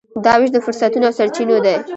دا وېش د فرصتونو او سرچینو دی.